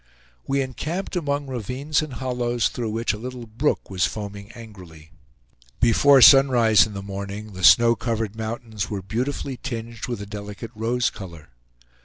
We encamped among ravines and hollows, through which a little brook was foaming angrily. Before sunrise in the morning the snow covered mountains were beautifully tinged with a delicate rose color.